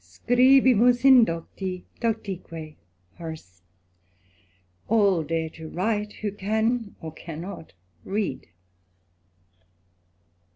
'* Scribmus indocti doctique, HOR. " All dare to write, who can or cannot read."